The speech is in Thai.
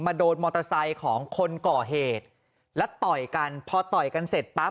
โดนมอเตอร์ไซค์ของคนก่อเหตุแล้วต่อยกันพอต่อยกันเสร็จปั๊บ